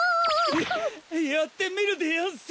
ややってみるでやんす。